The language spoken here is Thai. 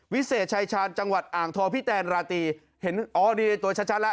วิเศษชายชาญจังหวัดอ่างทองพี่แตนราตรีเห็นอ๋อดีในตัวชัดแล้ว